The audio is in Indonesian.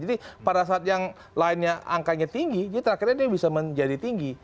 jadi pada saat yang lainnya angkanya tinggi jadi terakhirnya dia bisa menjadi tinggi